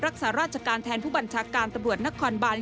รักษาราชการแทนผู้บัญชาการตำรวจนครบาน